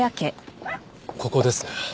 ここです。